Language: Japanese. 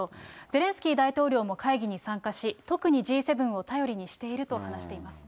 ゼレンスキー大統領も会議に参加し、特にＧ７を頼りにしていると話しています。